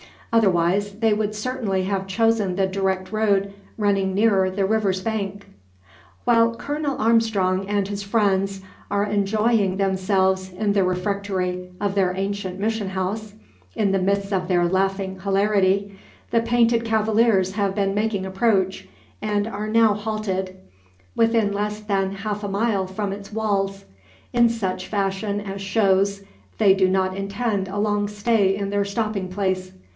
Otherwise, they would certainly have chosen the direct road running nearer the river's bank. While Colonel Armstrong, and his friends, are enjoying themselves in the refectory of the ancient mission house, in the midst of their laughing hilarity, the painted cavaliers have been making approach, and are now halted, within less than half a mile from its walls. In such fashion as shows, they do not intend a long stay in their stopping place.